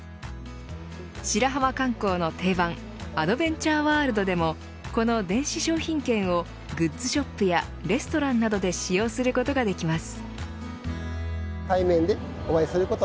白浜観光の定番アドベンチャーワールドでもこの電子商品券をグッズショップやレストランなどで使用することができます。